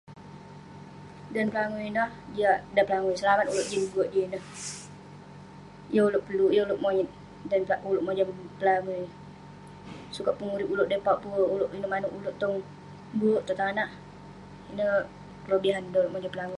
Dan pelangui ineh jiak dan pelangui..selamat ulouk jin berk jin ineh..yeng ulouk peluk, yeng ulouk monyet..dan rak berk mojam pelangui sukat pengurip ulouk deh pauk..pun ulouk pun inouk manouk tong berk, tong tanak..ineh kelebihan ulouk mojam pelangui..